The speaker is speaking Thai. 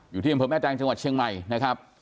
อยู่ที่อำเภอแม่แตงจังหวัดเชียงใหม่นะครับ